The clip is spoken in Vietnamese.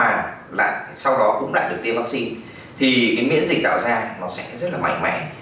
hoặc là nếu đã nhiễm mà sau đó cũng đã được tiêm vắc xin thì cái miễn dịch tạo ra nó sẽ rất là mạnh mẽ